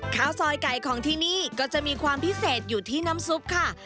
ข้าวซอยไก่ของที่นี่ก็จะมีความพิเศษอยู่ที่น้ำซุปค่ะ